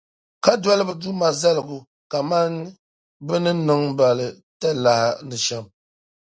Ka doli bɛ Duuma zaligu kamani bɛ ni niŋ ba li talahi ni shɛm.